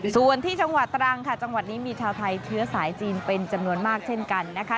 ส่วนที่จังหวัดตรังค่ะจังหวัดนี้มีชาวไทยเชื้อสายจีนเป็นจำนวนมากเช่นกันนะคะ